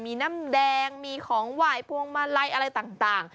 มีน้ำแดงมีของหว่ายพวงมาลัยอะไรต่าง